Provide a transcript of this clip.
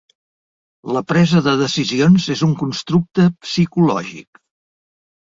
La presa de decisions és un constructe psicològic.